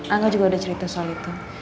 angga juga udah cerita soal itu